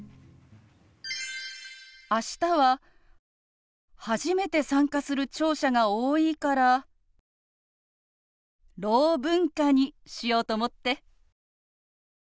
明日は初めて参加する聴者が多いから「ろう文化」にしようと思って。